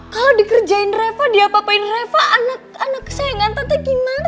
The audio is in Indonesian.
kalo dikerjain reva diapa apain reva anak anak kesayangan tante gimana